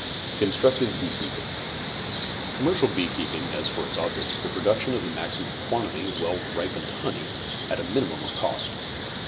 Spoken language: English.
CONSTRUCTIVE BEEKEEPING Commercial beekeeping has for its object the production of the maximum quantity of well ripened honey at a minimum of cost.